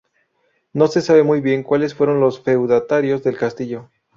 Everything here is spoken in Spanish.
No se sabe muy bien cuáles fueron los feudatarios del castillo.